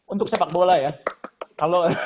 untuk sepak bola ya